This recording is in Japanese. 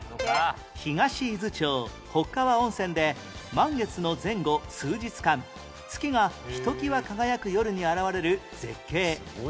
東伊豆町北川温泉で満月の前後数日間月がひときわ輝く夜に現れる絶景